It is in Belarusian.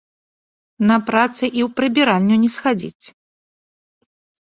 На працы і ў прыбіральню не схадзіць!